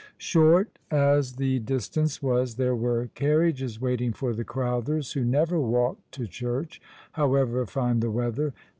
fShort as the distance was, there were carriages waiting for the Crowthers, who never walked to church, however fine the weather.